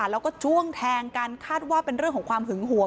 แล้วก็จ้วงแทงกันคาดว่าเป็นเรื่องของความหึงหวง